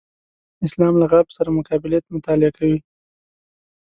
اسلام له غرب سره مقابلې مطالعه کوي.